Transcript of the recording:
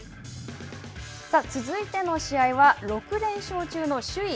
続いての試合は６連勝中の首位